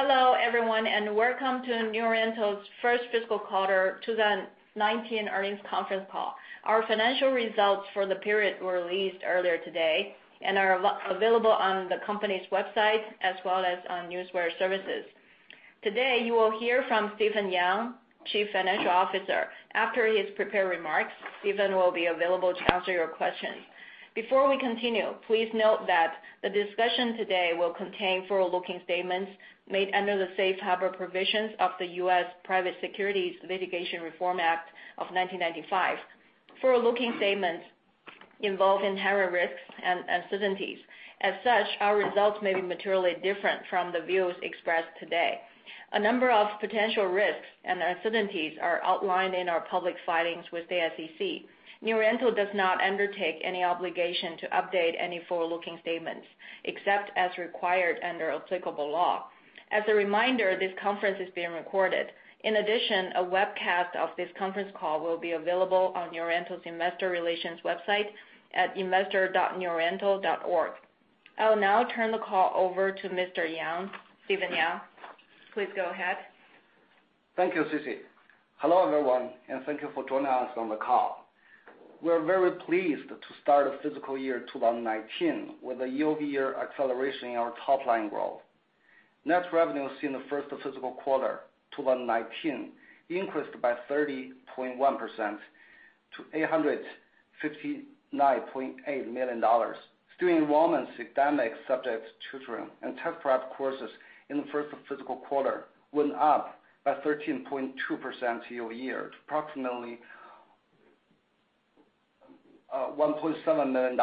Hello, everyone, and welcome to New Oriental's first fiscal quarter 2019 earnings conference call. Our financial results for the period were released earlier today, and are available on the company's website as well as on newswire services. Today you will hear from Stephen Yang, Chief Financial Officer. After his prepared remarks, Stephen will be available to answer your questions. Before we continue, please note that the discussion today will contain forward-looking statements made under the Safe Harbor of the U.S. Private Securities Litigation Reform Act of 1995. Forward-looking statements involve inherent risks and uncertainties. Our results may be materially different from the views expressed today. A number of potential risks and uncertainties are outlined in our public filings with the SEC. New Oriental does not undertake any obligation to update any forward-looking statements, except as required under applicable law. As a reminder, this conference is being recorded. A webcast of this conference call will be available on New Oriental's Investor Relations website at investor.neworiental.org. I will now turn the call over to Mr. Yang. Stephen Yang, please go ahead. Thank you, Sisi. Hello, everyone, and thank you for joining us on the call. We are very pleased to start fiscal year 2019 with a year-over-year acceleration in our top-line growth. Net revenue seen in the first fiscal quarter 2019 increased by 30.1% to $859.8 million. Student enrollments in academic subjects tutoring and test prep courses in the first fiscal quarter went up by 13.2% year-over-year to approximately 1.7 million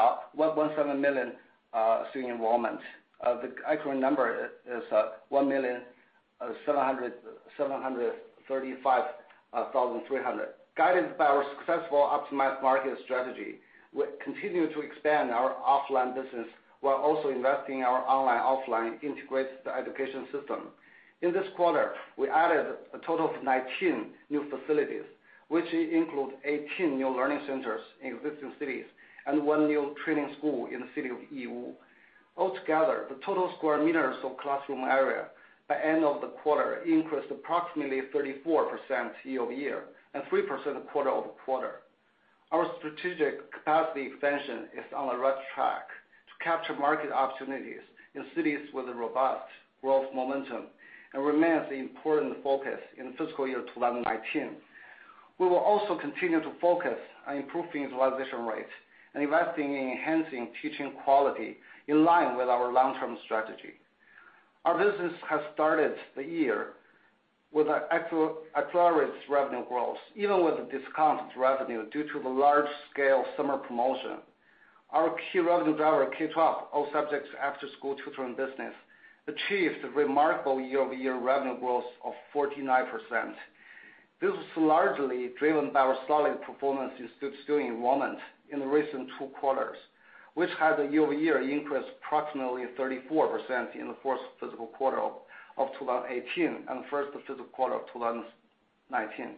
student enrollment. The accurate number is 1,735,300. Guided by our successful optimized market strategy, we continue to expand our offline business while also investing in our online/offline integrated education system. In this quarter, we added a total of 19 new facilities, which includes 18 new learning centers in existing cities and one new training school in the city of Yiwu. The total sq m of classroom area by end of the quarter increased approximately 34% year-over-year and 3% quarter-over-quarter. Our strategic capacity expansion is on the right track to capture market opportunities in cities with a robust growth momentum, and remains an important focus in fiscal year 2019. We will also continue to focus on improving utilization rates and investing in enhancing teaching quality in line with our long-term strategy. Our business has started the year with accelerated revenue growth, even with the discounted revenue due to the large-scale summer promotion. Our key revenue driver, K12 all subjects after-school tutoring business, achieved remarkable year-over-year revenue growth of 49%. This was largely driven by our solid performance in student enrollment in the recent two quarters, which had a year-over-year increase approximately 34% in the first fiscal quarter of 2018 and first fiscal quarter of 2019.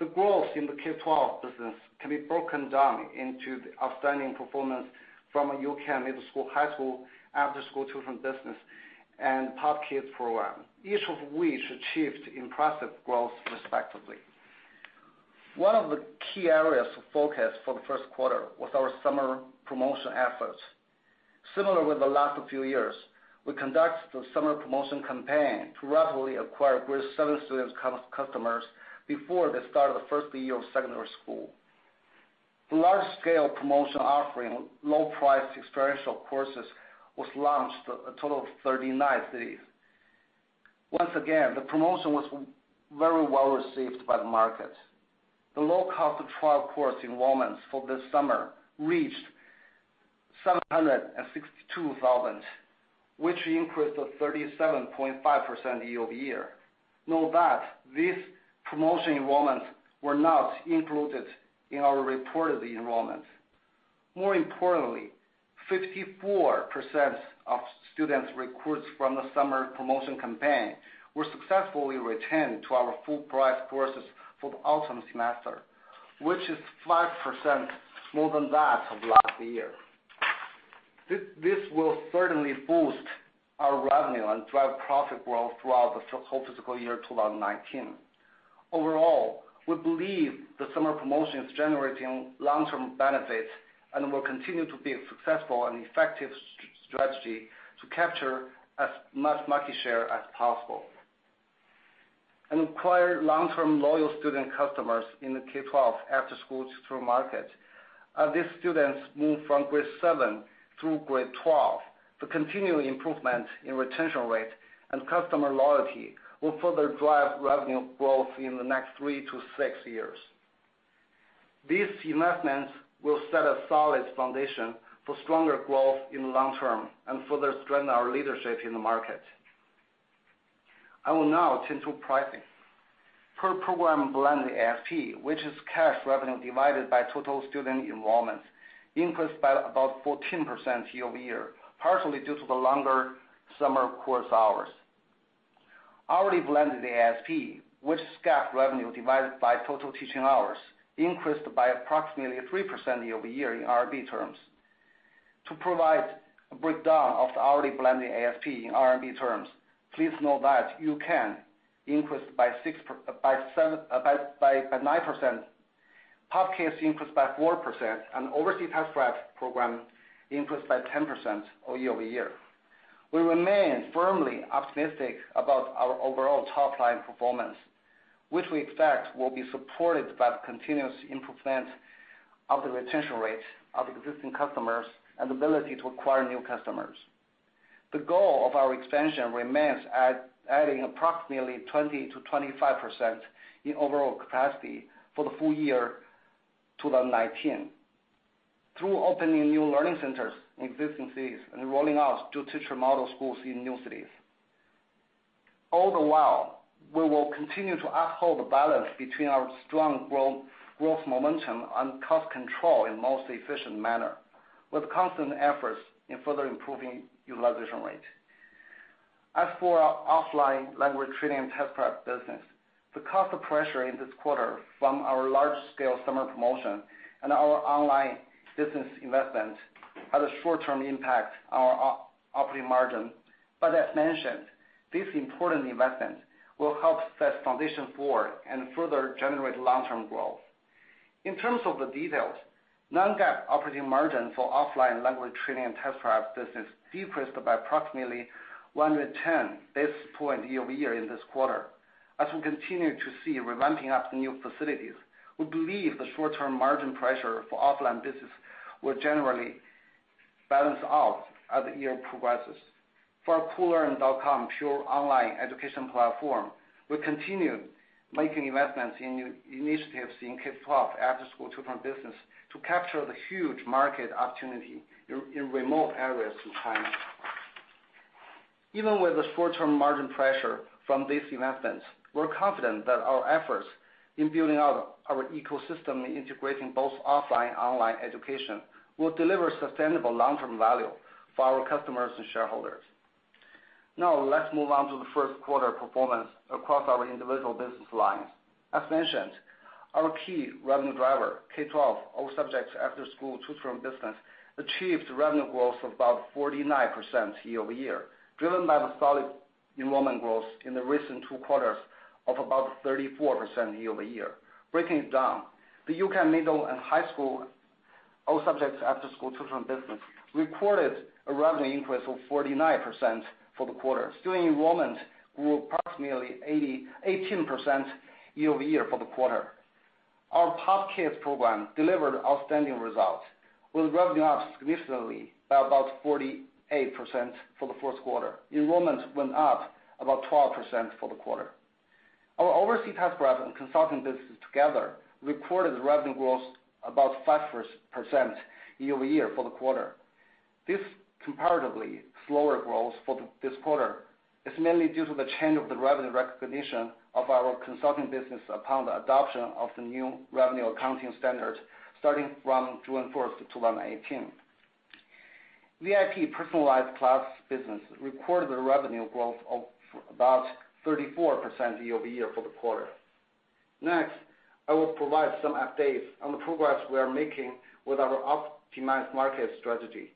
The growth in the K-12 business can be broken down into the outstanding performance from U-Can middle school, high school, after-school tutoring business, and POP Kids program, each of which achieved impressive growth respectively. One of the key areas of focus for the first quarter was our summer promotion efforts. Similar with the last few years, we conducted the summer promotion campaign to rapidly acquire grade 7 students customers before the start of the first year of secondary school. The large-scale promotion offering low-priced experiential courses was launched at a total of 39 cities. Once again, the promotion was very well received by the market. The low-cost trial course enrollments for this summer reached 762,000, which increased of 37.5% year-over-year. Note that these promotion enrollments were not included in our reported enrollment. More importantly, 54% of students recruits from the summer promotion campaign were successfully retained to our full price courses for the autumn semester, which is 5% more than that of last year. This will certainly boost our revenue and drive profit growth throughout the whole fiscal year 2019. Overall, we believe the summer promotion is generating long-term benefits and will continue to be a successful and effective strategy to capture as much market share as possible, and acquire long-term loyal student customers in the K-12 after-school tutoring market. As these students move from grade 7 through grade 12, the continuing improvement in retention rate and customer loyalty will further drive revenue growth in the next 3-6 years. These investments will set a solid foundation for stronger growth in the long term and further strengthen our leadership in the market. I will now turn to pricing. Per program blended ASP, which is cash revenue divided by total student enrollments, increased by about 14% year-over-year, partially due to the longer summer course hours. Hourly blended ASP, which is cash revenue divided by total teaching hours, increased by approximately 3% year-over-year in RMB terms. To provide a breakdown of the hourly blending ASP in RMB terms, please note that U-Can increased by 9%, POP Kids increased by 4%, and overseas test prep program increased by 10% year-over-year. We remain firmly optimistic about our overall top-line performance, which we expect will be supported by the continuous improvement of the retention rate of existing customers and the ability to acquire new customers. The goal of our expansion remains at adding approximately 20%-25% in overall capacity for the full year 2019 through opening new learning centers in existing cities and rolling out two-teacher model schools in new cities. All the while, we will continue to uphold the balance between our strong growth momentum and cost control in the most efficient manner, with constant efforts in further improving utilization rate. As for our offline language training and test prep business, the cost of pressure in this quarter from our large-scale summer promotion and our online business investment had a short-term impact on our operating margin. As mentioned, this important investment will help set foundation forward and further generate long-term growth. In terms of the details, non-GAAP operating margin for offline language training and test prep business decreased by approximately 110 basis point year-over-year in this quarter. As we continue to see ramping up new facilities, we believe the short-term margin pressure for offline business will generally balance out as the year progresses. For our Koolearn.com pure online education platform, we continue making investments in new initiatives in K-12 after-school tutoring business to capture the huge market opportunity in remote areas in China. Even with the short-term margin pressure from these investments, we are confident that our efforts in building out our ecosystem in integrating both offline and online education will deliver sustainable long-term value for our customers and shareholders. Now let's move on to the first quarter performance across our individual business lines. As mentioned, our key revenue driver, K-12, all subjects after school tutoring business, achieved revenue growth of about 49% year-over-year, driven by the solid enrollment growth in the recent two quarters of about 34% year-over-year. Breaking it down, the U-Can middle and high school all subjects after school tutoring business recorded a revenue increase of 49% for the quarter. Student enrollment grew approximately 18% year-over-year for the quarter. Our POP Kids program delivered outstanding results, with revenue up significantly by about 48% for the first quarter. Enrollment went up about 12% for the quarter. Our overseas test prep and consulting business together recorded revenue growth about 5% year-over-year for the quarter. This comparatively slower growth for this quarter is mainly due to the change of the revenue recognition of our consulting business upon the adoption of the new revenue accounting standard starting from June 1st, 2018. VIP personalized class business recorded a revenue growth of about 34% year-over-year for the quarter. Next, I will provide some updates on the progress we are making with our optimized market strategy.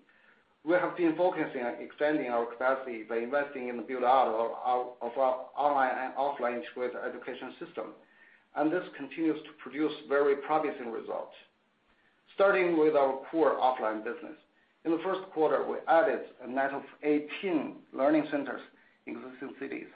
We have been focusing on expanding our capacity by investing in the build-out of our online and offline integrated education system, and this continues to produce very promising results. Starting with our core offline business. In the first quarter, we added a net of 18 learning centers in existing cities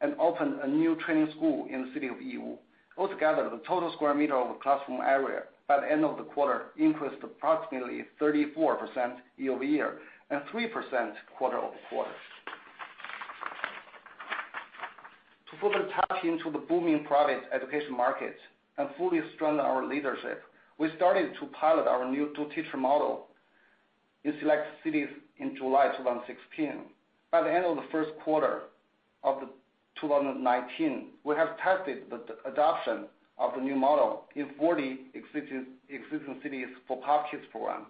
and opened a new training school in the city of Yiwu. Altogether, the total square meter of the classroom area by the end of the quarter increased approximately 34% year-over-year and 3% quarter-over-quarter. To further tap into the booming private education market and fully strengthen our leadership, we started to pilot our new two-teacher model in select cities in July 2016. By the end of the first quarter of 2019, we have tested the adoption of the new model in 40 existing cities for POP Kids program,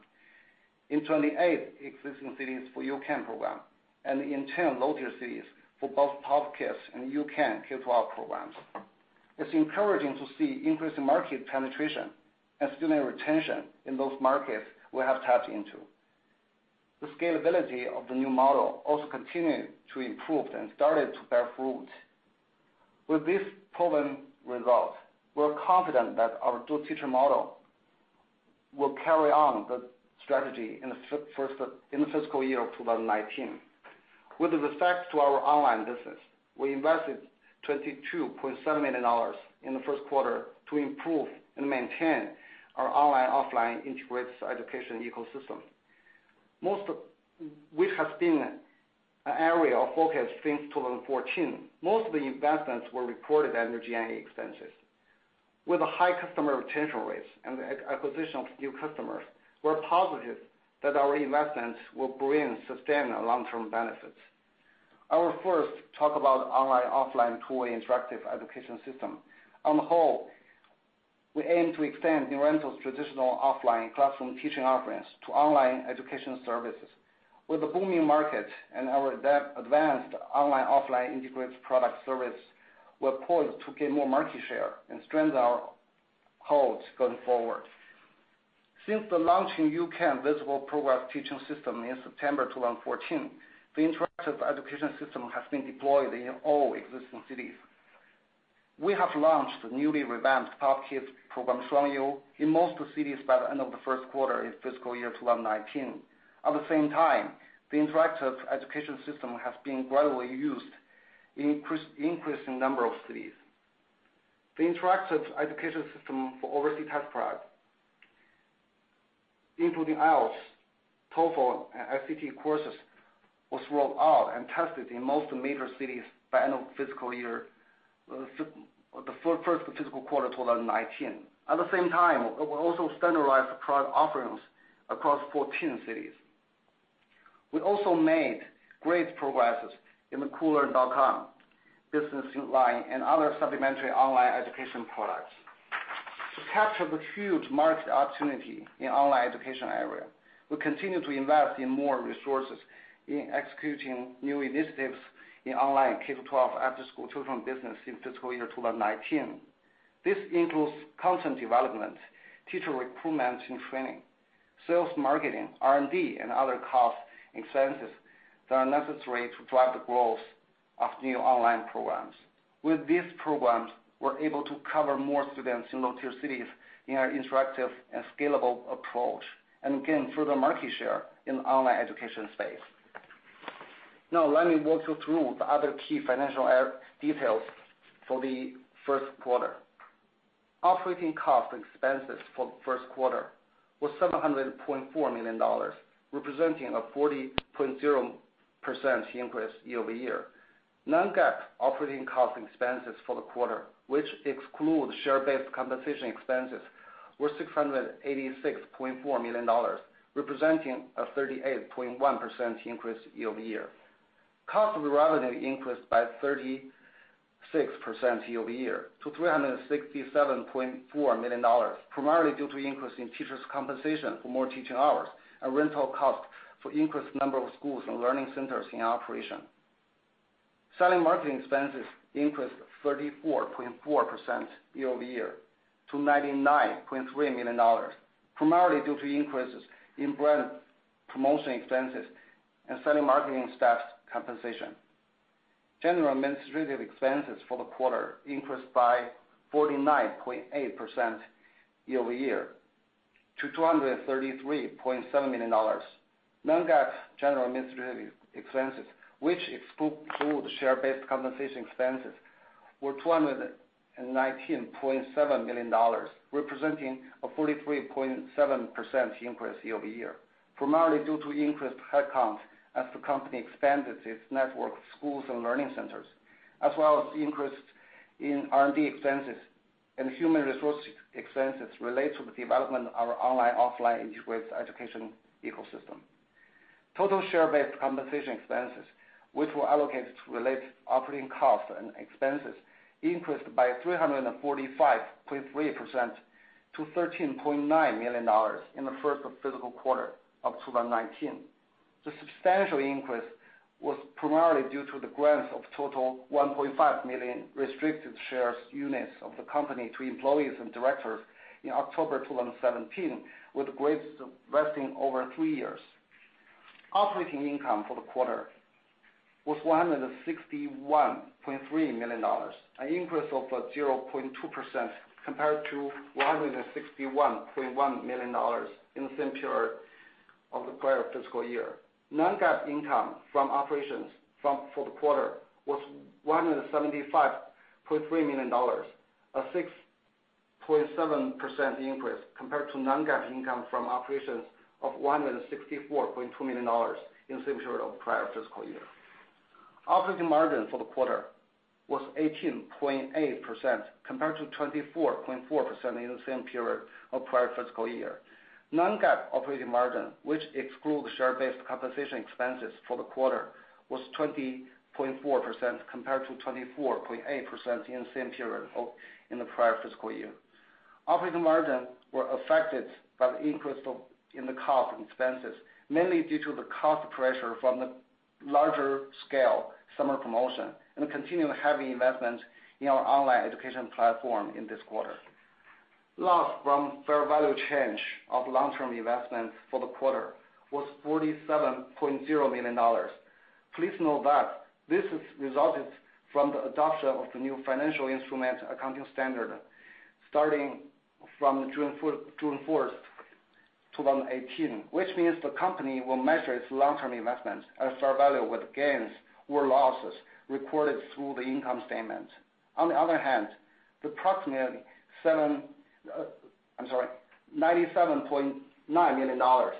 in 28 existing cities for U-Can program, and in 10 lower tier cities for both POP Kids and U-Can K-12 programs. It's encouraging to see increased market penetration and student retention in those markets we have tapped into. The scalability of the new model also continued to improve and started to bear fruit. With this proven result, we are confident that our two-teacher model will carry on the strategy in the fiscal year of 2019. With respect to our online business, we invested $22.7 million in the first quarter to improve and maintain our online, offline integrated education ecosystem, which has been an area of focus since 2014. Most of the investments were recorded under G&A expenses. With a high customer retention rates and the acquisition of new customers, we are positive that our investments will bring sustainable long-term benefits. I will first talk about online, offline two-way interactive education system. On the whole, we aim to extend New Oriental's traditional offline classroom teaching offerings to online education services. With the booming market and our advanced online, offline integrated product service, we're poised to gain more market share and strengthen our hold going forward. Since the launch in U-Can Visible Progress teaching system in September 2014, the interactive education system has been deployed in all existing cities. We have launched the newly revamped POP Kids program, Shuangyu, in most cities by the end of the first quarter in fiscal year 2019. At the same time, the interactive education system has been gradually used in increasing number of cities. The interactive education system for overseas test prep, including IELTS, TOEFL, and SAT courses, was rolled out and tested in most major cities by end of first fiscal quarter 2019. At the same time, we also standardized product offerings across 14 cities. We also made great progresses in the Koolearn.com business line and other supplementary online education products. To capture the huge market opportunity in online education area, we continue to invest in more resources in executing new initiatives in online K-12 after-school tutoring business in fiscal year 2019. This includes content development, teacher recruitment and training, sales, marketing, R&D, and other cost expenses that are necessary to drive the growth of new online programs. With these programs, we're able to cover more students in lower-tier cities in our interactive and scalable approach and gain further market share in the online education space. Now, let me walk you through the other key financial details for the first quarter. Operating cost expenses for the first quarter was $700.4 million, representing a 40.0% increase year-over-year. Non-GAAP operating cost expenses for the quarter, which excludes share-based compensation expenses, were $686.4 million, representing a 38.1% increase year-over-year. Cost of revenue increased by 36% year-over-year to $367.4 million, primarily due to increase in teachers' compensation for more teaching hours and rental cost for increased number of schools and learning centers in operation. Selling marketing expenses increased 34.4% year-over-year to $99.3 million, primarily due to increases in brand promotion expenses and selling marketing staff compensation. General administrative expenses for the quarter increased by 49.8% year-over-year to $233.7 million. Non-GAAP general administrative expenses, which exclude share-based compensation expenses, were $219.7 million, representing a 43.7% increase year-over-year, primarily due to increased headcount as the company expanded its network of schools and learning centers, as well as increase in R&D expenses and human resource expenses related to the development of our online/offline integrated education ecosystem. Total share-based compensation expenses, which were allocated to related operating costs and expenses, increased by 345.3% to $13.9 million in the first fiscal quarter of 2019. The substantial increase was primarily due to the grants of total 1.5 million restricted shares units of the company to employees and directors in October 2017, with the grants vesting over three years. Operating income for the quarter was $161.3 million, an increase of 0.2% compared to $161.1 million in the same period of the prior fiscal year. Non-GAAP income from operations for the quarter was $175.3 million, a 6.7% increase compared to non-GAAP income from operations of $164.2 million in the same period of prior fiscal year. Operating margin for the quarter was 18.8% compared to 24.4% in the same period of prior fiscal year. Non-GAAP operating margin, which excludes share-based compensation expenses for the quarter, was 20.4% compared to 24.8% in the same period in the prior fiscal year. Operating margin were affected by the increase in the cost and expenses, mainly due to the cost pressure from the larger scale summer promotion and continued heavy investment in our online education platform in this quarter. Last, from fair value change of long-term investments for the quarter was $47.7 million. Please note that this is resulted from the adoption of the new financial instrument accounting standard starting from June 4th, 2018, which means the company will measure its long-term investments at fair value with gains or losses recorded through the income statement. On the other hand, the approximately $97.9 million of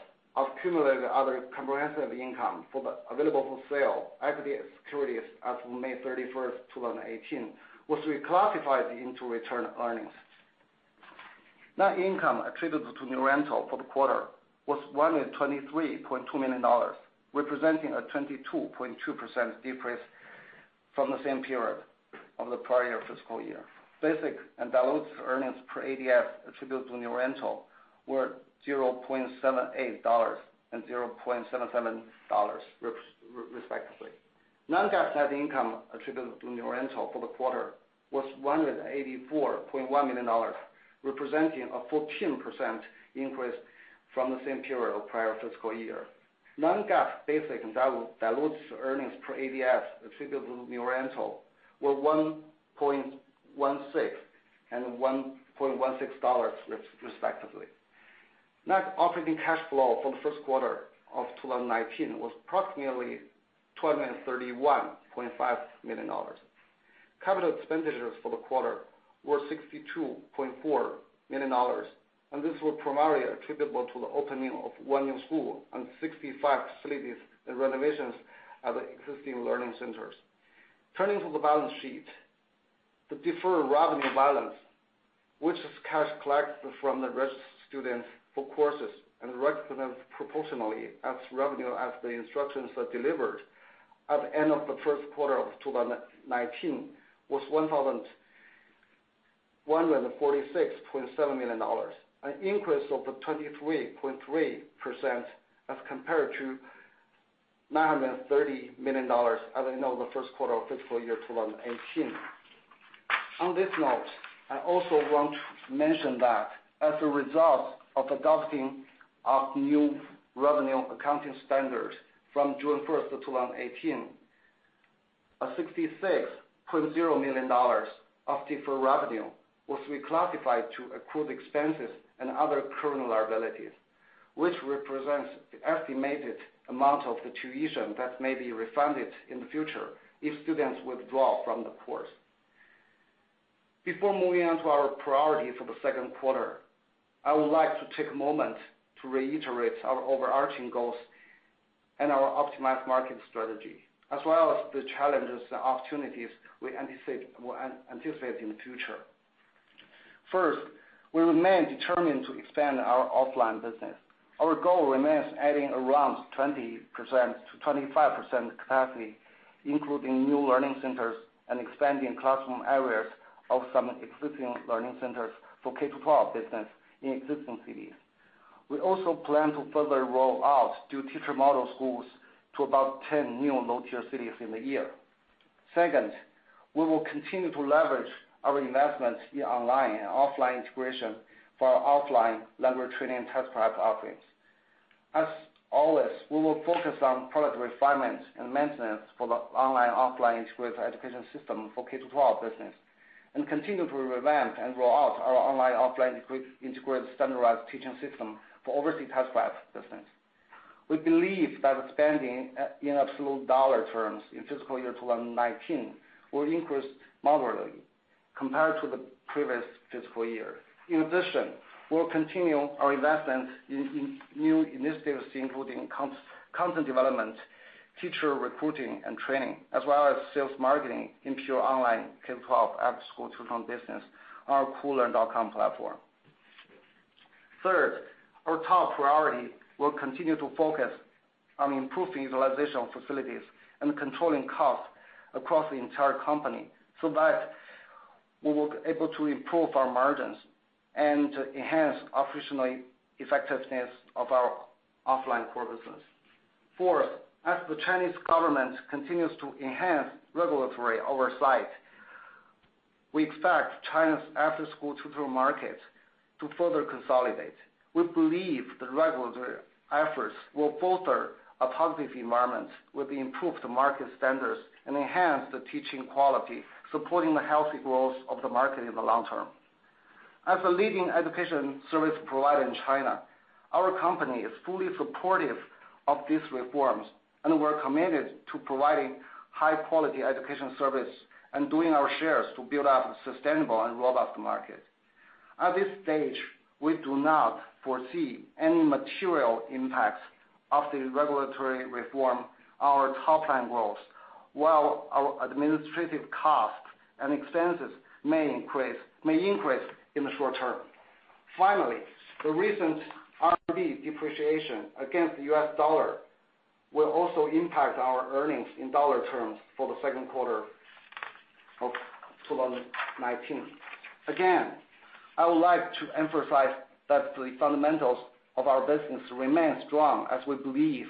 cumulative other comprehensive income for the available for sale equity securities as of May 31st, 2018, was reclassified into retained earnings. Net income attributed to New Oriental for the quarter was $123.2 million, representing a 22.2% decrease from the same period of the prior fiscal year. Basic and diluted earnings per ADS attributed to New Oriental were $0.78 and $0.77, respectively. Non-GAAP net income attributable to New Oriental for the quarter was $184.1 million, representing a 14% increase from the same period of prior fiscal year. Non-GAAP basic and diluted earnings per ADS attributable to New Oriental were $1.16 and $1.16 respectively. Net operating cash flow for the first quarter of 2019 was approximately $231.5 million. Capital expenditures for the quarter were $62.4 million, and this was primarily attributable to the opening of one new school and 65 facilities, and renovations at existing learning centers. Turning to the balance sheet. The deferred revenue balance, which is cash collected from the registered students for courses and recognized proportionally as revenue as the instructions are delivered. At the end of the first quarter of 2019 was $146.7 million, an increase over 23.3% as compared to $930 million as of the first quarter of fiscal year 2018. On this note, I also want to mention that as a result of adopting of new revenue accounting standards from June 1st, 2018, a $66.0 million of deferred revenue was reclassified to accrued expenses and other current liabilities, which represents the estimated amount of the tuition that may be refunded in the future if students withdraw from the course. Before moving on to our priority for the second quarter, I would like to take a moment to reiterate our overarching goals and our optimized market strategy, as well as the challenges and opportunities we anticipate in the future. First, we remain determined to expand our offline business. Our goal remains adding around 20%-25% capacity, including new learning centers and expanding classroom areas of some existing learning centers for K-12 business in existing cities. We also plan to further roll out two-teacher model schools to about 10 new low-tier cities in the year. Second, we will continue to leverage our investments in online and offline integration for our offline language training test prep offerings. As always, we will focus on product refinement and maintenance for the online/offline integrated education system for K-12 business, and continue to revamp and roll out our online/offline integrated standardized teaching system for overseas test prep business. We believe that expanding in absolute dollar terms in fiscal year 2019 will increase moderately compared to the previous fiscal year. In addition, we'll continue our investment in new initiatives, including content development, teacher recruiting and training, as well as sales marketing in pure online K12 after-school tutor business on our Koolearn.com platform. Our top priority will continue to focus on improving utilization of facilities and controlling costs across the entire company so that we will be able to improve our margins and enhance operational effectiveness of our offline core business. As the Chinese government continues to enhance regulatory oversight, we expect China's after-school tutor market to further consolidate. We believe the regulatory efforts will bolster a positive environment with improved market standards and enhance the teaching quality, supporting the healthy growth of the market in the long term. As a leading education service provider in China, our company is fully supportive of these reforms. We're committed to providing high-quality education service and doing our shares to build up a sustainable and robust market. At this stage, we do not foresee any material impacts of the regulatory reform our top-line growth, while our administrative costs and expenses may increase in the short term. The recent RMB depreciation against the US dollar will also impact our earnings in dollar terms for the second quarter of 2019. I would like to emphasize that the fundamentals of our business remain strong as we believe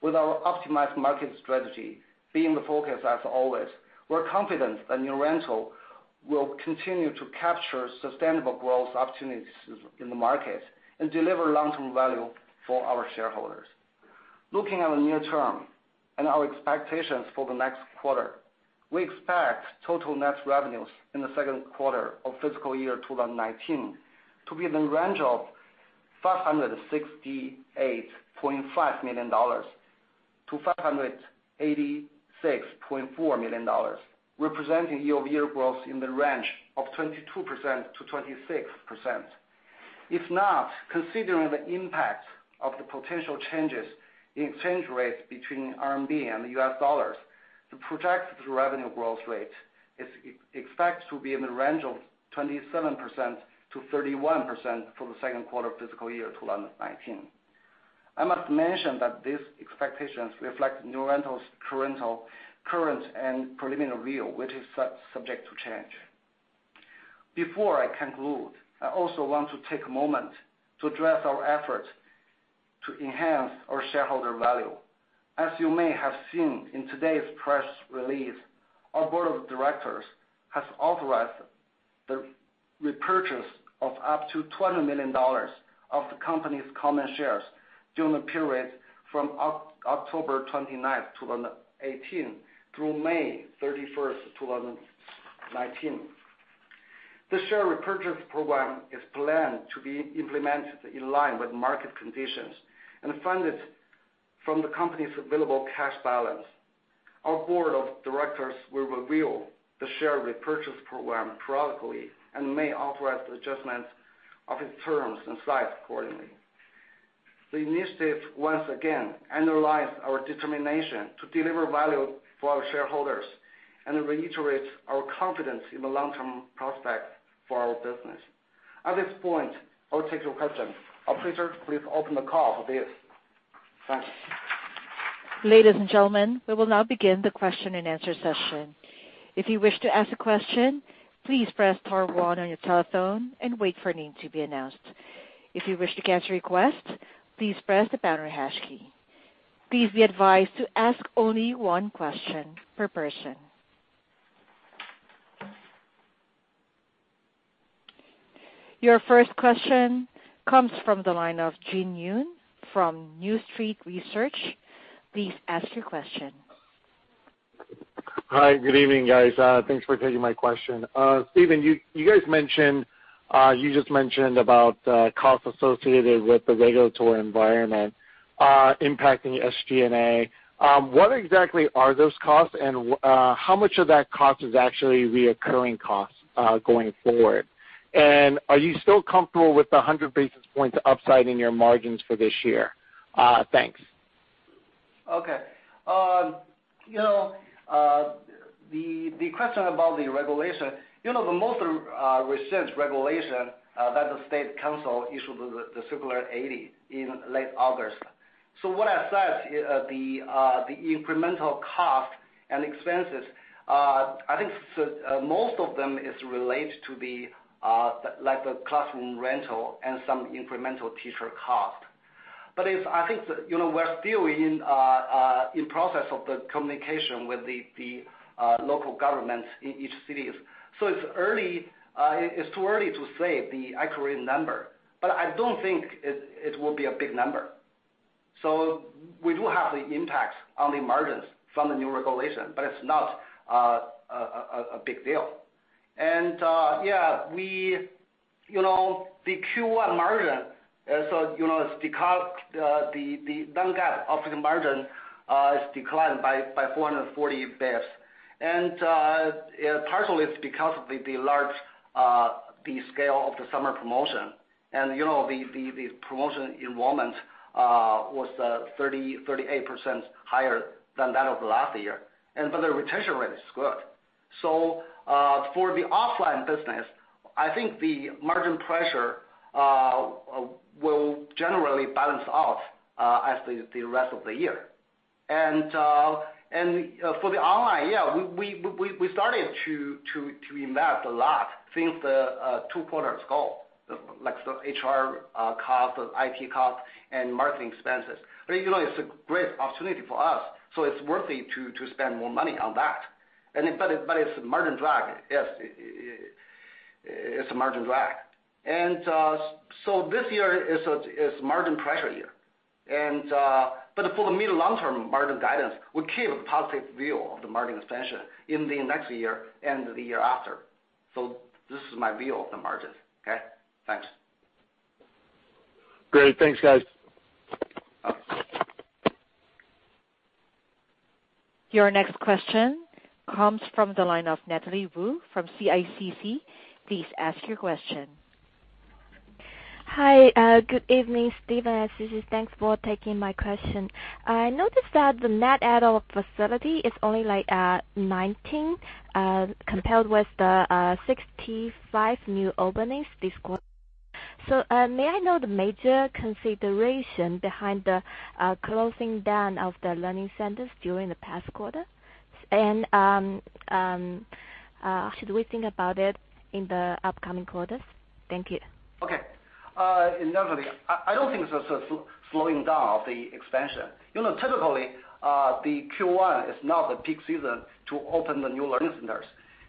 with our optimized market strategy being the focus as always, we're confident that New Oriental will continue to capture sustainable growth opportunities in the market and deliver long-term value for our shareholders. Looking at the near term and our expectations for the next quarter, we expect total net revenues in the second quarter of fiscal year 2019 to be in the range of $568.5 million-$586.4 million, representing year-over-year growth in the range of 22%-26%. If not considering the impact of the potential changes in exchange rates between RMB and the US dollars, the projected revenue growth rate is expected to be in the range of 27%-31% for the second quarter of fiscal year 2019. I must mention that these expectations reflect New Oriental's current and preliminary view, which is subject to change. Before I conclude, I also want to take a moment to address our efforts to enhance our shareholder value. As you may have seen in today's press release, our board of directors has authorized the repurchase of up to $20 million of the company's common shares during the period from October 29th, 2018, through May 31st, 2019. This share repurchase program is planned to be implemented in line with market conditions and funded from the company's available cash balance. Our board of directors will review the share repurchase program periodically and may authorize adjustments of its terms and size accordingly. The initiative once again underlines our determination to deliver value for our shareholders and reiterates our confidence in the long-term prospect for our business. At this point, I'll take your questions. Operator, please open the call for this. Thanks. Ladies and gentlemen, we will now begin the question and answer session. If you wish to ask a question, please press star one on your telephone and wait for your name to be announced. If you wish to cancel your request, please press the pound or hash key. Please be advised to ask only one question per person. Your first question comes from the line of Jin Yoon from New Street Research. Please ask your question. Hi, good evening, guys. Thanks for taking my question. Stephen, you just mentioned about costs associated with the regulatory environment impacting SG&A. What exactly are those costs, and how much of that cost is actually reoccurring costs going forward? Are you still comfortable with the 100 basis points upside in your margins for this year? Thanks. Okay. The question about the regulation, the most recent regulation that the State Council issued the Circular 80 in late August. What I said, the incremental cost and expenses, I think most of them is related to the classroom rental and some incremental teacher cost. I think we're still in process of the communication with the local governments in each city. It's too early to say the accurate number, but I don't think it will be a big number. We do have the impact on the margins from the new regulation, but it's not a big deal. Yeah, the Q1 margin, the non-GAAP operating margin is declined by 440 basis. Partially it's because of the scale of the summer promotion. The promotion involvement was 38% higher than that of last year. The retention rate is good. For the offline business, I think the margin pressure will generally balance out as the rest of the year. For the online, yeah, we started to invest a lot since two quarters ago, like the HR cost, IT cost, and marketing expenses. It's a great opportunity for us, so it's worthy to spend more money on that. It's a margin drag, yes. It's a margin drag. This year is margin pressure year. For the mid-long-term margin guidance, we keep a positive view of the margin expansion in the next year and the year after. This is my view of the margin, okay? Thanks. Great. Thanks, guys. Okay. Your next question comes from the line of Natalie Wu from CICC. Please ask your question. Hi. Good evening, Stephen and Sisi Zhao. Thanks for taking my question. I noticed that the net adult facility is only 19 compared with the 65 new openings this quarter. May I know the major consideration behind the closing down of the learning centers during the past quarter? Should we think about it in the upcoming quarters? Thank you. Okay. Natalie, I don't think it's a slowing down of the expansion. Typically, the Q1 is not the peak season to open the new learning centers.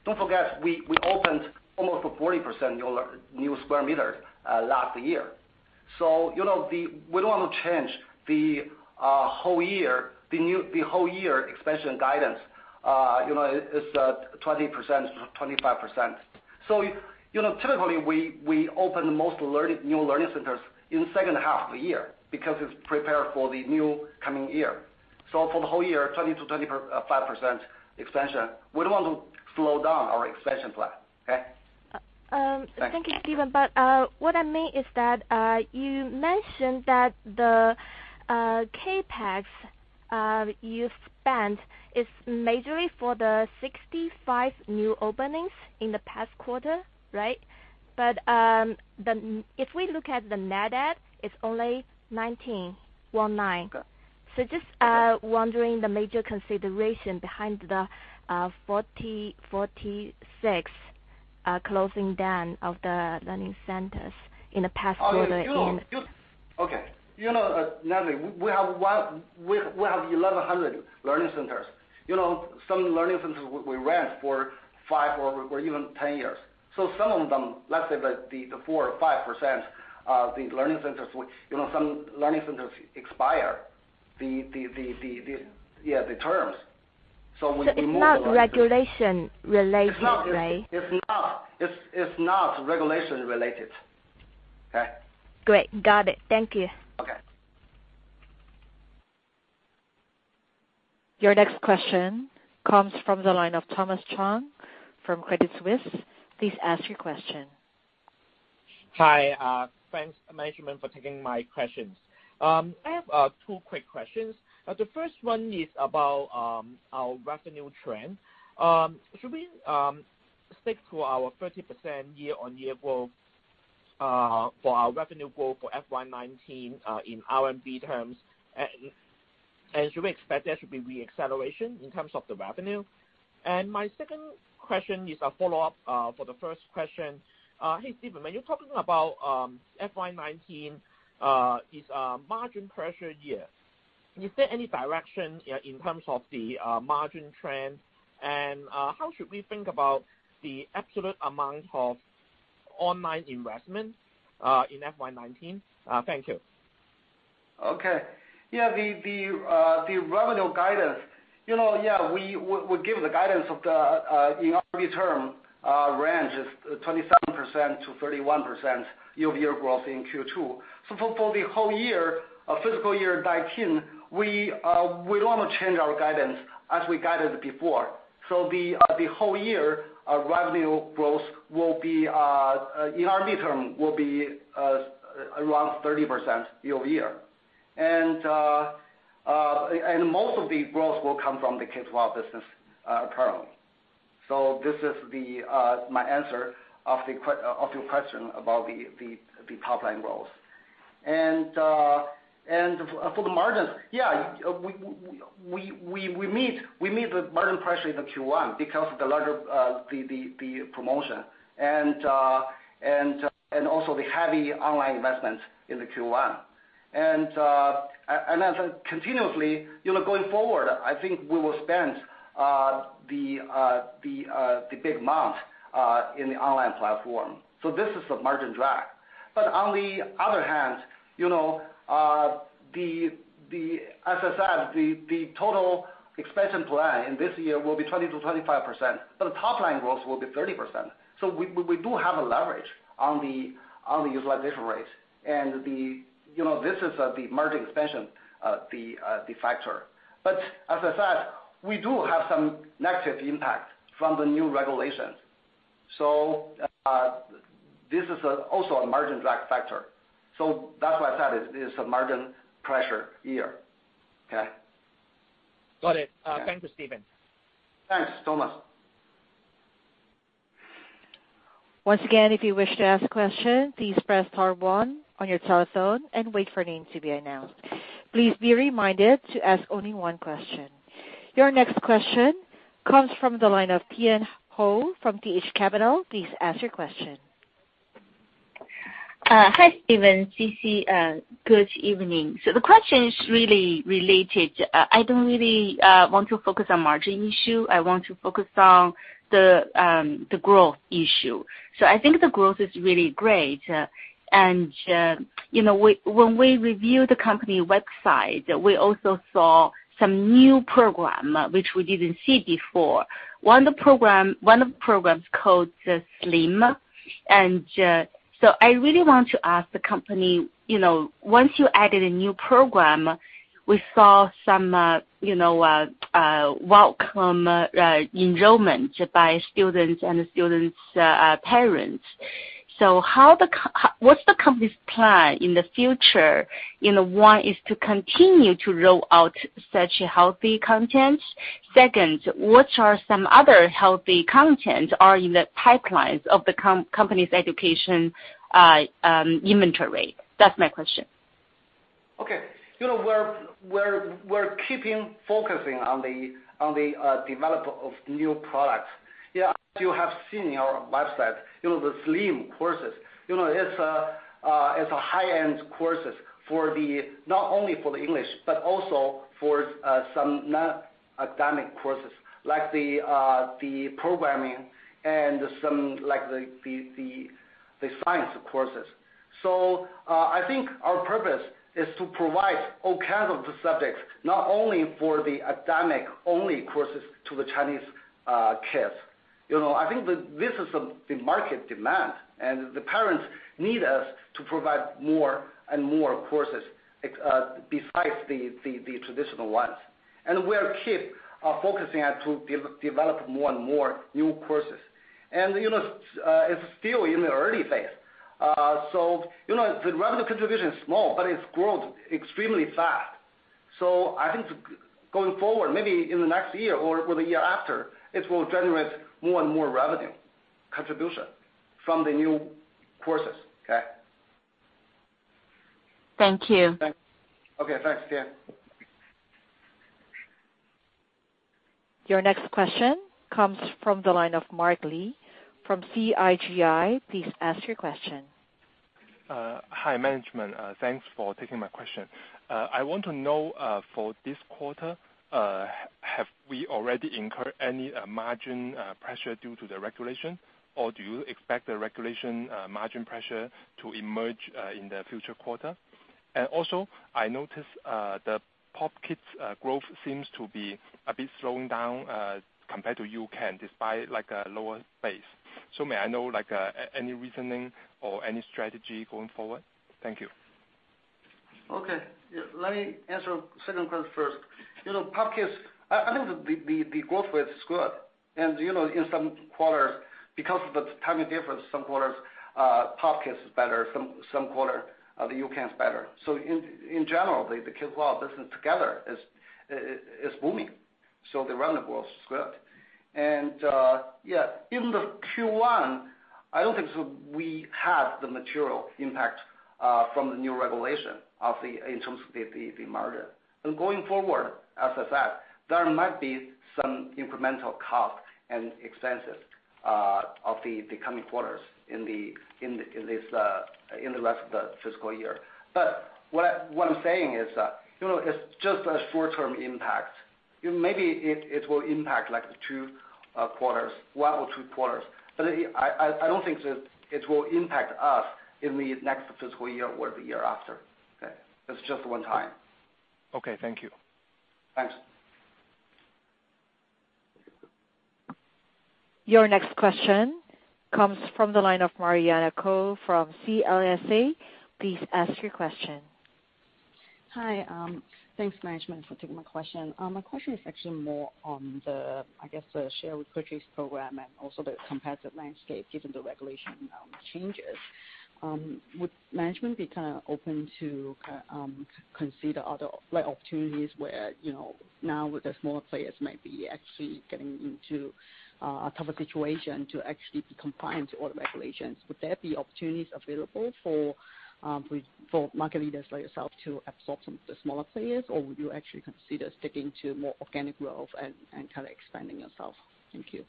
Don't forget, we opened almost 40% new square meters last year. We don't want to change the whole year expansion guidance, it's 20%-25%. Typically, we open the most new learning centers in second half of the year because it's prepared for the new coming year. For the whole year, 20%-25% expansion. We don't want to slow down our expansion plan, okay? Thanks. Thank you, Stephen. What I mean is that you mentioned that the CapEx you spent is majorly for the 65 new openings in the past quarter, right? If we look at the net add, it is only 19. Okay. Just wondering the major consideration behind the 46 closing down of the learning centers in the past quarter. Okay. Natalie, we have 1,100 learning centers. Some learning centers we rent for five or even 10 years. Some of them, let's say the 4% or 5% of the learning centers, some learning centers expire, the terms. It is not regulation related, right? It's not regulation related. Okay? Great. Got it. Thank you. Okay. Your next question comes from the line of Thomas Chong from Credit Suisse. Please ask your question. Hi. Thanks management for taking my questions. I have two quick questions. The first one is about our revenue trend. Should we stick to our 30% year-on-year growth for our revenue growth for FY 2019 in RMB terms, and should we expect there should be re-acceleration in terms of the revenue? My second question is a follow-up for the first question. Hey, Stephen, when you're talking about FY 2019 is a margin pressure year. Is there any direction in terms of the margin trend, and how should we think about the absolute amount of online investment in FY 2019? Thank you. Okay. The revenue guidance, we give the guidance in RMB term, range is 27%-31% year-over-year growth in Q2. For the whole year, fiscal year 2019, we don't want to change our guidance as we guided before. The whole year, our revenue growth in RMB term, will be around 30% year-over-year. Most of the growth will come from the K-12 business currently. This is my answer of your question about the top line growth. For the margins, we meet the margin pressure in the Q1 because of the larger promotion and also the heavy online investment in the Q1. As I continuously, going forward, I think we will spend the big amount in the online platform. This is a margin drag. On the other hand, as I said, the total expansion plan this year will be 20%-25%, but the top line growth will be 30%. We do have a leverage on the utilization rate. This is the margin expansion, the factor. As I said, we do have some negative impact from the new regulations. This is also a margin drag factor. That's why I said, it is a margin pressure year. Okay? Got it. Thank you, Stephen. Thanks, Thomas. Once again, if you wish to ask a question, please press star one on your telephone and wait for your name to be announced. Please be reminded to ask only one question. Your next question comes from the line of Tian Hou from TH Capital. Please ask your question. Hi, Stephen, CC. Good evening. The question is really related. I don't really want to focus on margin issue. I want to focus on the growth issue. I think the growth is really great. When we review the company website, we also saw some new program, which we didn't see before. One of the programs called STEAM. I really want to ask the company, once you added a new program, we saw some welcome enrollment by students and the students' parents. What's the company's plan in the future? One is to continue to roll out such healthy content. Second, which are some other healthy content are in the pipelines of the company's education inventory? That's my question. Okay. We're keeping focusing on the development of new products. As you have seen in our website, the STEAM courses, it's a high-end courses not only for the English, but also for some non-academic courses like the programming and some like the science courses. I think our purpose is to provide all kinds of the subjects, not only for the academic only courses to the Chinese kids. I think that this is the market demand, and the parents need us to provide more and more courses besides the traditional ones. We keep focusing to develop more and more new courses. It's still in the early phase. The revenue contribution is small, but it's grown extremely fast. I think going forward, maybe in the next year or the year after, it will generate more and more revenue contribution from the new courses. Okay? Thank you. Okay. Thanks, Tian. Your next question comes from the line of Mark Li from Citi. Please ask your question. Hi, management. Thanks for taking my question. I want to know, for this quarter, have we already incurred any margin pressure due to the regulation, or do you expect the regulation margin pressure to emerge in the future quarter? Also, I noticed the POP Kids growth seems to be a bit slowing down compared to U-Can, despite a lower base. May I know any reasoning or any strategy going forward? Thank you. Okay. Let me answer the second question first. POP Kids, I think the growth rate is good. In some quarters, because of the timing difference, some quarters POP Kids is better, some quarters the U-Can is better. In general, the kids' business together is booming. The revenue growth is good. Yeah, in the Q1, I don't think we have the material impact from the new regulation in terms of the margin. Going forward, as I said, there might be some incremental cost and expenses of the coming quarters in the rest of the fiscal year. What I'm saying is that it's just a short-term impact. Maybe it will impact two quarters, one or two quarters, but I don't think that it will impact us in the next fiscal year or the year after. Okay? It's just one time. Okay, thank you. Thanks. Your next question comes from the line of Mariana Kou from CLSA. Please ask your question. Hi. Thanks, management, for taking my question. My question is actually more on the, I guess, the share repurchase program and also the competitive landscape, given the regulation changes. Would management be kind of open to consider other opportunities where now the smaller players might be actually getting into a tougher situation to actually be compliant to all the regulations? Would there be opportunities available for market leaders like yourself to absorb some of the smaller players, or would you actually consider sticking to more organic growth and kind of expanding yourself? Thank you.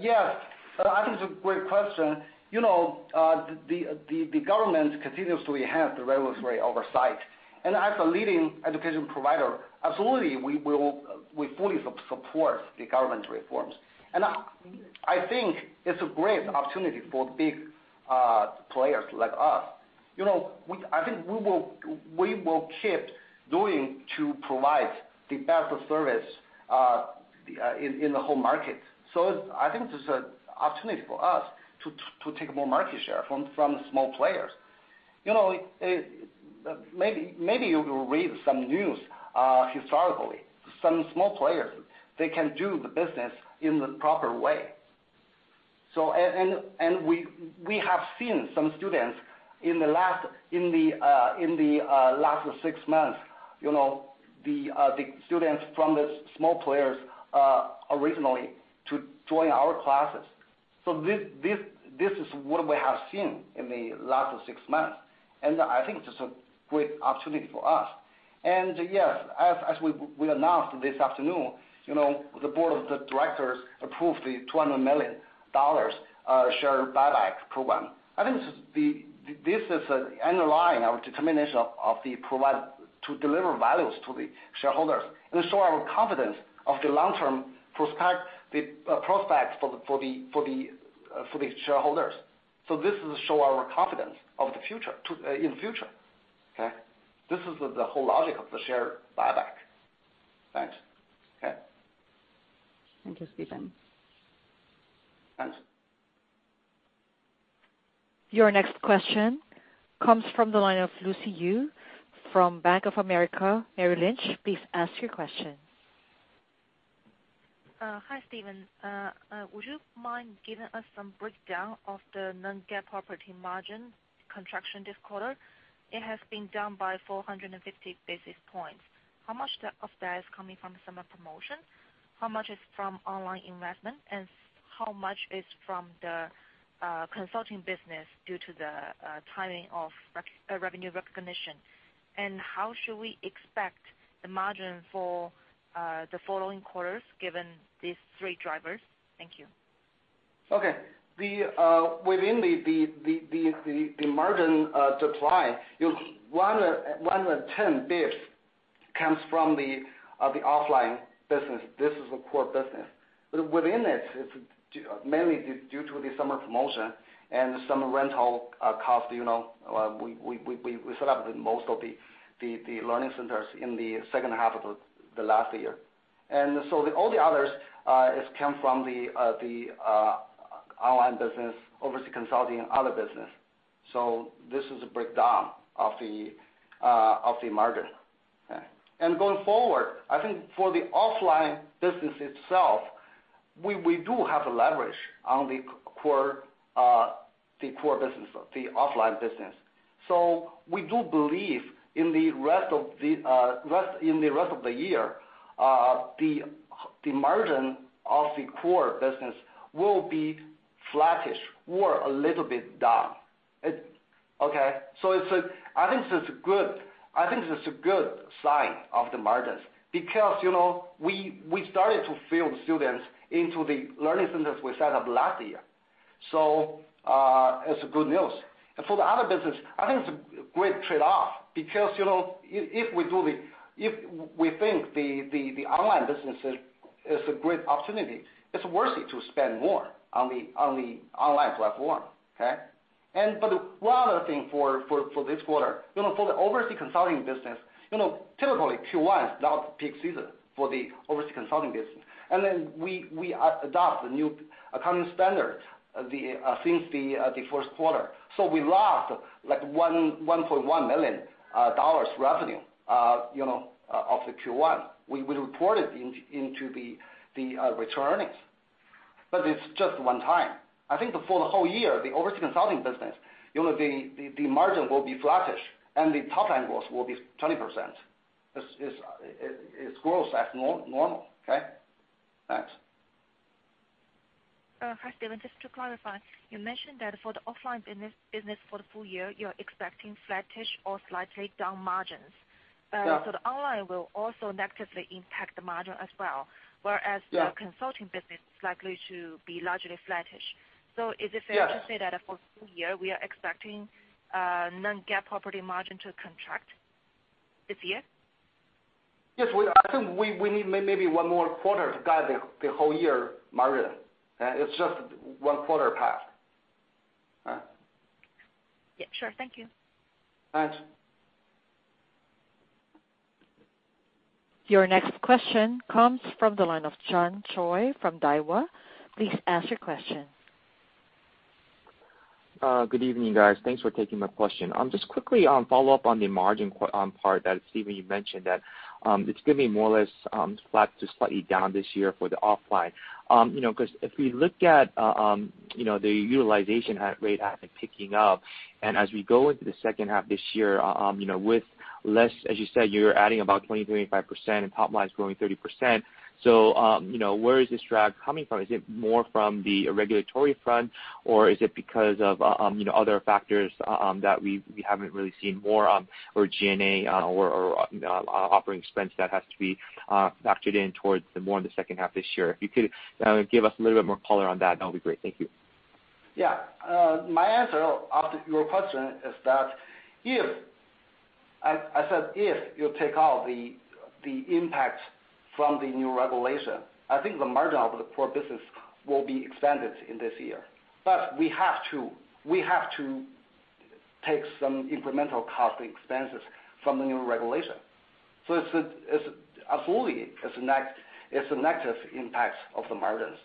Yes. I think it's a great question. The government continuously has the regulatory oversight. As a leading education provider, absolutely, we fully support the government reforms. I think it's a great opportunity for big players like us. I think we will keep doing to provide the best service in the whole market. I think this is an opportunity for us to take more market share from the small players. Maybe you read some news historically, some small players, they can't do the business in the proper way. We have seen some students in the last six months, the students from the small players originally to join our classes. This is what we have seen in the last six months, and I think this is a great opportunity for us. Yes, as we announced this afternoon, the board of the directors approved the $20 million share buyback program. I think this is underlying our determination to deliver values to the shareholders and show our confidence of the long-term prospects for the shareholders. This show our confidence in the future. Okay. This is the whole logic of the share buyback. Thanks. Okay. Thank you, Stephen. Thanks. Your next question comes from the line of Lucy Yu from Bank of America Merrill Lynch. Please ask your question. Hi, Stephen. Would you mind giving us some breakdown of the non-GAAP operating margin contraction this quarter? It has been down by 450 basis points. How much of that is coming from summer promotion? How much is from online investment, and how much is from the consulting business due to the timing of revenue recognition? How should we expect the margin for the following quarters given these three drivers? Thank you. Okay. Within the margin decline, 110 basis points comes from the offline business. This is the core business. Within it's mainly due to the summer promotion and summer rental cost. We set up most of the learning centers in the second half of the last year. All the others come from the online business, obviously consulting and other business. This is a breakdown of the margin. Okay? Going forward, I think for the offline business itself, we do have a leverage on the core business, the offline business. We do believe in the rest of the year, the margin of the core business will be flattish or a little bit down. Okay? I think this is a good sign of the margins because we started to fill the students into the learning centers we set up last year. It's good news. For the other business, I think it's a great trade-off because, if we think the online business is a great opportunity, it's worthy to spend more on the online platform, okay? One other thing for this quarter, for the overseas consulting business, typically Q1 is not peak season for the overseas consulting business. Then we adopt the new accounting standard since the first quarter. We lost $1.1 million revenue of the Q1. We will report it into the retained earnings. It's just one time. I think for the whole year, the overseas consulting business, the margin will be flattish and the top line growth will be 20%. It's growth as normal, okay? Thanks. Hi, Stephen, just to clarify, you mentioned that for the offline business for the full year, you're expecting flattish or slightly down margins. Yeah. The online will also negatively impact the margin as well. Yeah the consulting business is likely to be largely flattish. Is it fair- Yeah to say that for full year, we are expecting non-GAAP property margin to contract this year? Yes. I think we need maybe one more quarter to guide the whole year margin. It's just one quarter passed. All right. Yeah, sure. Thank you. Thanks. Your next question comes from the line of John Choi from Daiwa. Please ask your question. Good evening, guys. Thanks for taking my question. Just quickly follow up on the margin part that Stephen, you mentioned that it's going to be more or less flat to slightly down this year for the offline. If we look at the utilization rate has been picking up, and as we go into the second half this year, with less, as you said, you're adding about 20%, 35% and top line is growing 30%. Where is this drag coming from? Is it more from the regulatory front, or is it because of other factors that we haven't really seen more or G&A or operating expense that has to be factored in towards the more in the second half this year? If you could give us a little bit more color on that would be great. Thank you. Yeah. My answer of your question is that if I said if you take out the impact from the new regulation, I think the margin of the core business will be expanded in this year. We have to take some incremental cost expenses from the new regulation. It's absolutely, it's a negative impact of the margins.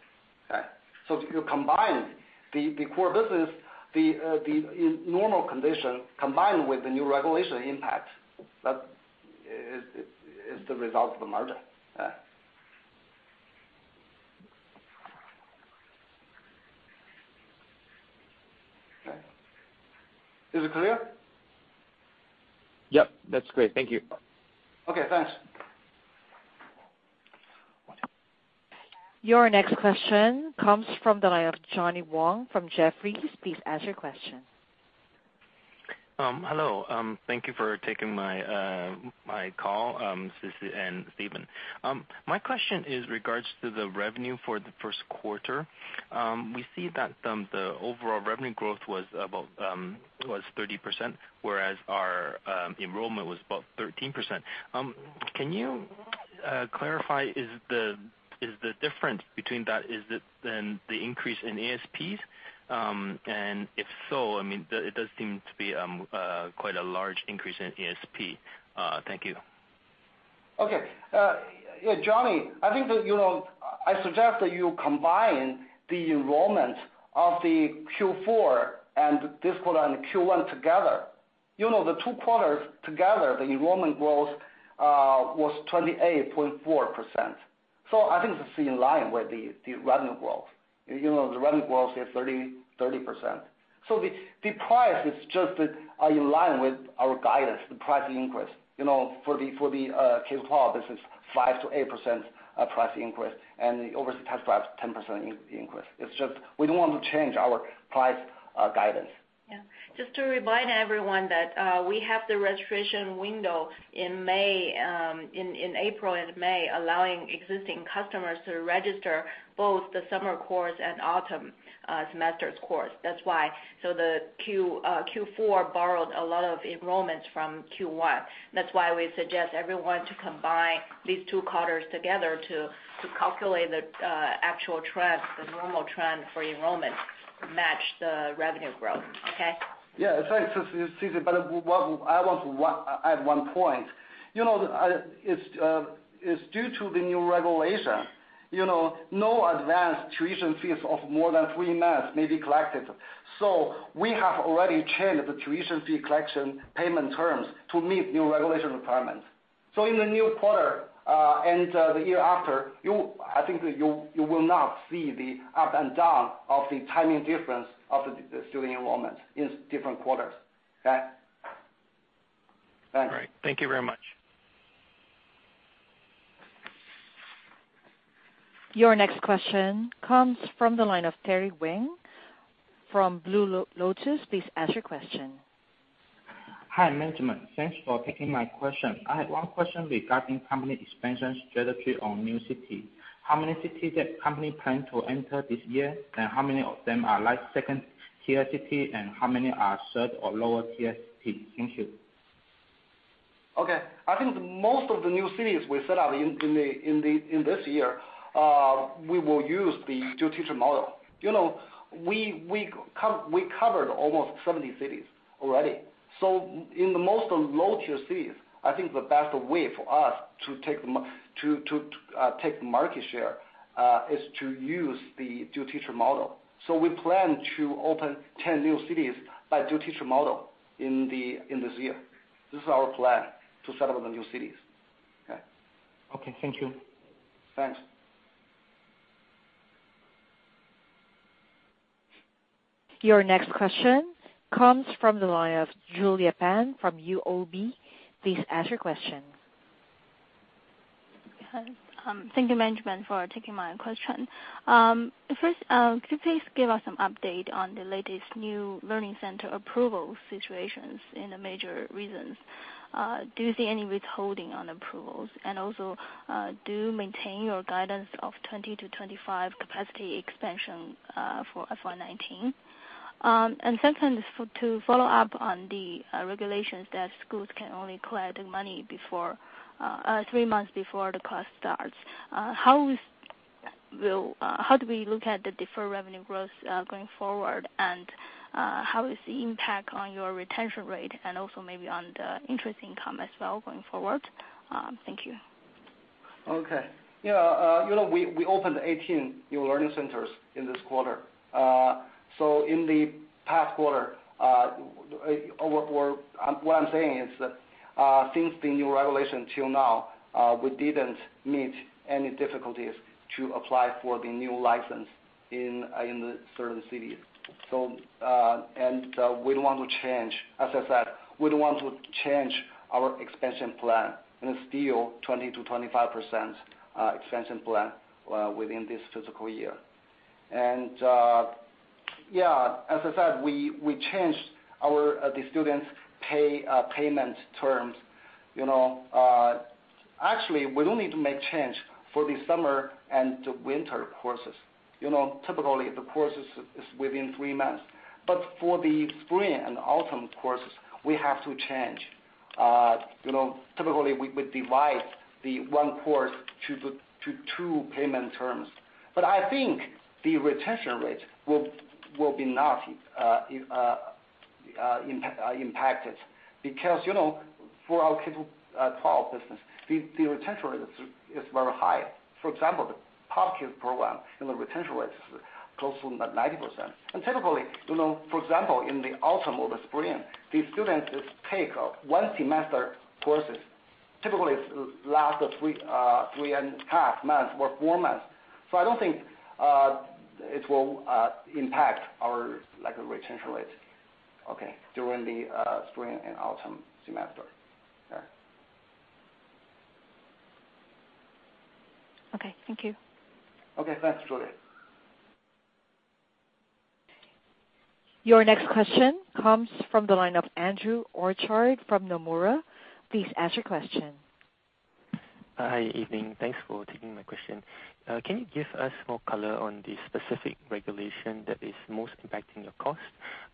Okay? If you combine the core business, the normal condition combined with the new regulation impact, that is the result of the margin. Okay? Is it clear? Yep, that's great. Thank you. Okay, thanks. Your next question comes from the line of Johnny Wong from Jefferies. Please ask your question. Hello. Thank you for taking my call, Sisi and Stephen. My question is regards to the revenue for the first quarter. We see that the overall revenue growth was 30%, whereas our enrollment was about 13%. Can you clarify, is the difference between that, is it then the increase in ASPs? If so, it does seem to be quite a large increase in ASP. Thank you. Okay. Yeah, Johnny, I suggest that you combine the enrollment of the Q4 and this quarter and Q1 together. The two quarters together, the enrollment growth was 28.4%. I think this is in line with the revenue growth. The revenue growth is 30%. The price is just in line with our guidance, the price increase. For the kids class, this is 5%-8% price increase, and the overseas test prep is 10% increase. It's just we don't want to change our price guidance. Yeah. Just to remind everyone that we have the registration window in April and May, allowing existing customers to register both the summer course and autumn semesters course. That's why. The Q4 borrowed a lot of enrollments from Q1. That's why we suggest everyone to combine these two quarters together to calculate the actual trend, the normal trend for enrollment to match the revenue growth. Okay? Yeah. Thanks, Sisi, what I want to add one point. It's due to the new regulation, no advanced tuition fees of more than three months may be collected. We have already changed the tuition fee collection payment terms to meet new regulation requirements. In the new quarter, and the year after, I think you will not see the up and down of the timing difference of the student enrollment in different quarters. Okay? Thanks. All right. Thank you very much. Your next question comes from the line of Tianli Wen from Blue Lotus. Please ask your question. Hi, management. Thanks for taking my question. I have one question regarding company expansion strategy on new city. How many cities that company plan to enter this year, and how many of them are like 2-tier city, and how many are 3-tier or lower tier city? Thank you. I think most of the new cities we set up in this year, we will use the two-teacher model. We covered almost 70 cities already. In the most low-tier cities, I think the best way for us to take market share is to use the two-teacher model. We plan to open 10 new cities by two-teacher model in this year. This is our plan to set up the new cities. Thank you. Thanks. Your next question comes from the line of Julia Pan from UOB. Please ask your question. Yes. Thank you, management, for taking my question. First, could you please give us some update on the latest new learning center approval situations in the major regions? Do you see any withholding on approvals? Do you maintain your guidance of 20%-25% capacity expansion for FY 2019? Second, to follow up on the regulations that schools can only collect money three months before the class starts. How do we look at the deferred revenue growth going forward? How is the impact on your retention rate and also maybe on the interest income as well going forward? Thank you. Okay. We opened 18 new learning centers in this quarter. In the past quarter, what I'm saying is that, since the new regulation till now, we didn't meet any difficulties to apply for the new license in the certain cities. We don't want to change. As I said, we don't want to change our expansion plan. It's still 20%-25% expansion plan within this fiscal year. As I said, we changed the student's payment terms. Actually, we don't need to make change for the summer and winter courses. Typically, the course is within three months. For the spring and autumn courses, we have to change. Typically, we divide the one course to two payment terms. I think the retention rate will be not impacted because, for our K-12 business, the retention rate is very high. For example, the PopKids program, the retention rate is close to 90%. Typically, for example, in the autumn or the spring, these students take one semester courses. Typically, it lasts three and a half months or four months. I don't think it will impact our retention rate during the spring and autumn semester. Okay. Thank you. Okay. Thanks, Julia. Your next question comes from the line of Andrew Orchard from Nomura. Please ask your question. Hi, evening. Thanks for taking my question. Can you give us more color on the specific regulation that is most impacting your cost?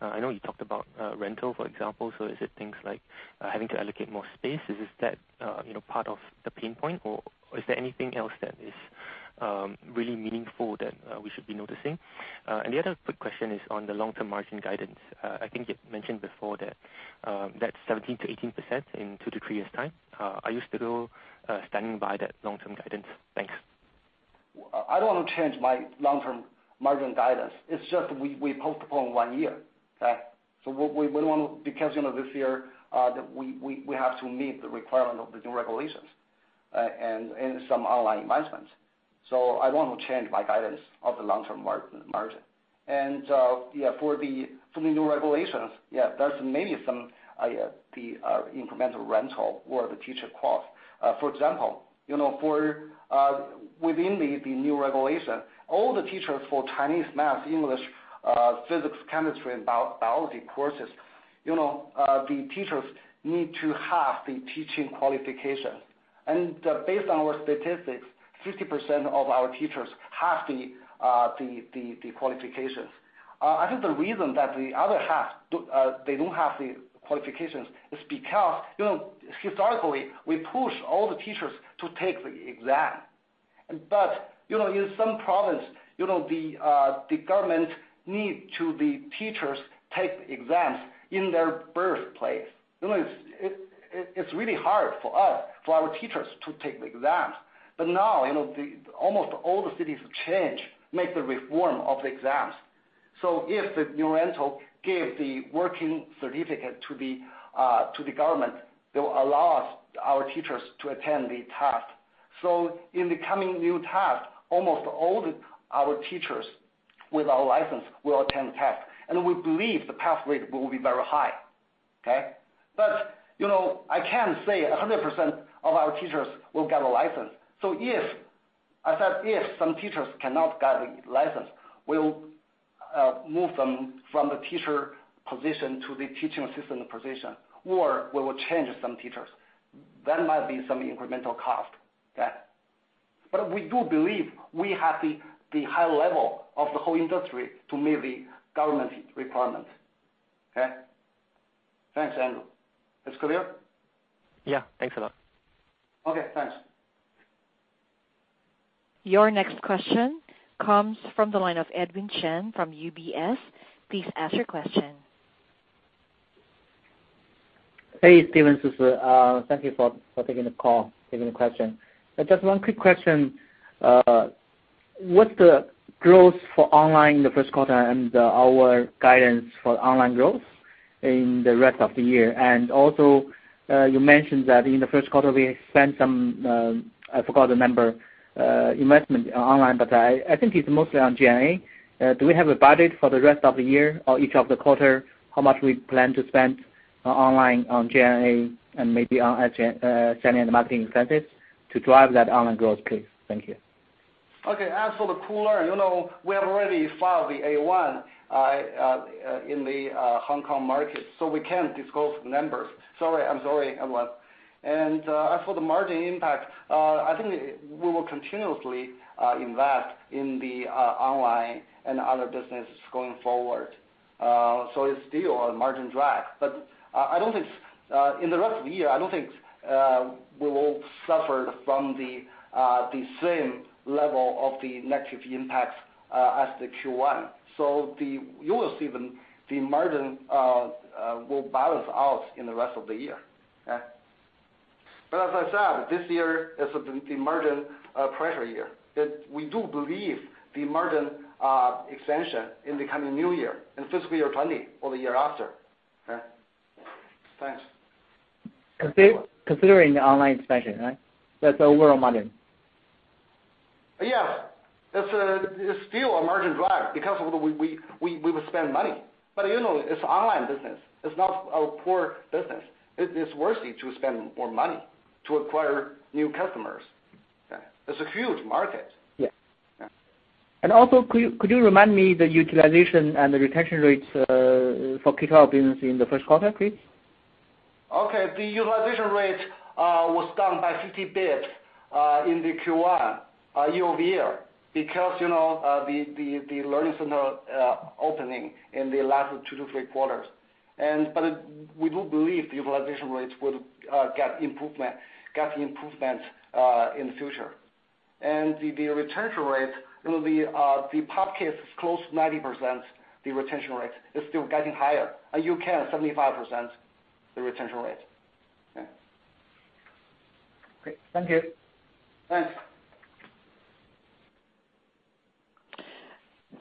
I know you talked about rental, for example. Is it things like having to allocate more space? Is that part of the pain point, or is there anything else that is really meaningful that we should be noticing? The other quick question is on the long-term margin guidance. I think you mentioned before that is 17%-18% in two to three years' time. Are you still standing by that long-term guidance? Thanks. I don't want to change my long-term margin guidance. It's just we postpone one year. Okay? This year, we have to meet the requirement of the new regulations, and some online investments. I don't want to change my guidance of the long-term margin. Yeah, for the new regulations, yeah, there's maybe some incremental rental or the teacher cost. For example, within the new regulation, all the teachers for Chinese, Math, English, Physics, Chemistry, and Biology courses, the teachers need to have the teaching qualification. Based on our statistics, 50% of our teachers have the qualifications. I think the reason that the other half, they don't have the qualifications is because historically, we push all the teachers to take the exam. In some province, the government need the teachers take exams in their birthplace. It's really hard for us, for our teachers to take the exams. Now, almost all the cities change, make the reform of the exams. If New Oriental gave the working certificate to the government, they will allow our teachers to attend the test. In the coming new test, almost all our teachers without a license will attend test, and we believe the pass rate will be very high. Okay? I can say 100% of our teachers will get a license. If, I said if, some teachers cannot get the license, we will move them from the teacher position to the teaching assistant position, or we will change some teachers. There might be some incremental cost. We do believe we have the high level of the whole industry to meet the government requirement. Okay? Thanks, Andrew. It's clear? Yeah. Thanks a lot. Okay, thanks. Your next question comes from the line of Edwin Chen from UBS. Please ask your question. Hey, Stephen, Sisi. Thank you for taking the call, taking the question. Just one quick question. What is the growth for online in the first quarter, and our guidance for online growth in the rest of the year? You also mentioned that in the first quarter, we spent some, I forgot the number, investment online, but I think it is mostly on G&A. Do we have a budget for the rest of the year or each quarter, how much we plan to spend online on G&A and maybe on selling and marketing incentives to drive that online growth, please? Thank you. As for the Koolearn, we have already filed the A1 in the Hong Kong market, so we cannot disclose numbers. Sorry, I am sorry, Edwin. As for the margin impact, I think we will continuously invest in the online and other businesses going forward. It is still a margin drag. In the rest of the year, I do not think we will suffer from the same level of the negative impacts as the Q1. You will see even the margin will balance out in the rest of the year. As I said, this year is the margin pressure year. We do believe the margin expansion in the coming new year, in fiscal year 2020 or the year after. Thanks. Considering the online expansion, right? That is the overall margin. Yes. It is still a margin drag because we will spend money. It is online business. It is not a poor business. It is worthy to spend more money to acquire new customers. It is a huge market. Yeah. Yeah. could you remind me the utilization and the retention rates for kids' business in the first quarter, please? Okay. The utilization rate was down by 50 basis points in the Q1 year-over-year, because the learning center opening in the last two to three quarters. We do believe the utilization rates will get improvement in the future. The retention rate, the POP Kids is close to 90%. It's still getting higher. U-Can, 75%, the retention rate. Yeah. Great. Thank you. Thanks.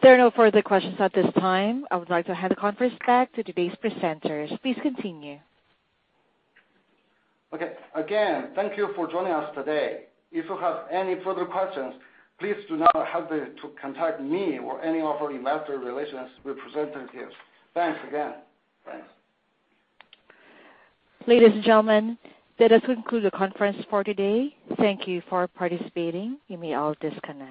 There are no further questions at this time. I would like to hand the conference back to today's presenters. Please continue. Okay. Again, thank you for joining us today. If you have any further questions, please do not hesitate to contact me or any of our investor relations representatives. Thanks again. Thanks. Ladies and gentlemen, that does conclude the conference for today. Thank you for participating. You may all disconnect.